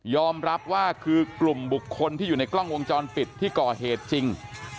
รับว่าคือกลุ่มบุคคลที่อยู่ในกล้องวงจรปิดที่ก่อเหตุจริง